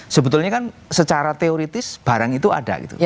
sebetulnya kan secara teoritis barang itu ada gitu